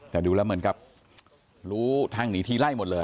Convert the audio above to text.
แต่ดูแล้วเหมือนกับรู้ทางหนีทีไล่หมดเลย